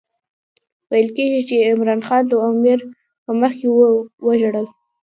ویل کېږي چې عمرا خان د امیر په مخکې وژړل.